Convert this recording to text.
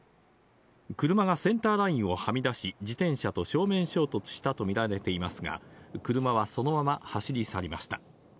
車がセンターラインをはみ出し、自転車と正面衝突したと見られていますが、車はそのまま走り去りました。